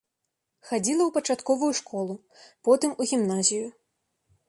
Хадзіла ў пачатковую школу, потым у гімназію.